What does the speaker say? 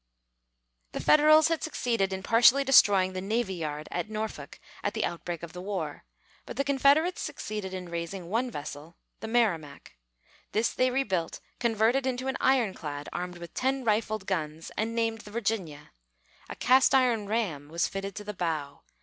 The Federals had succeeded in partially destroying the navy yard at Norfolk at the outbreak of the war, but the Confederates succeeded in raising one vessel, the Merrimac. This they rebuilt, converted into an iron clad, armed with ten rifled guns, and named the Virginia. A cast iron ram was fitted to the bow.